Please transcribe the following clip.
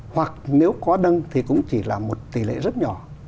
hoặc nếu có đông thì cũng chỉ là một tỷ lệ rất nhỏ